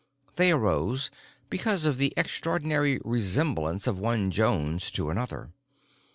They arose because of the extraordinary resemblance of one Jones to another.